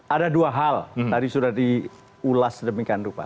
ada dua hal tadi sudah diulas sedemikian rupa